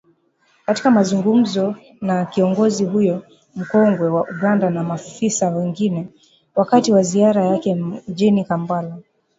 Katika mazungumzo na kiongozi huyo mkongwe wa Uganda na maafisa wengine wakati wa ziara yake mjini kampala